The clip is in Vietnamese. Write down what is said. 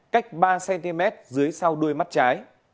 cách ba cm dưới sau đuôi mắt trái